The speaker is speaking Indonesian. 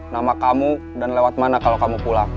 nama kamu dan lewat mana kalau kamu pulang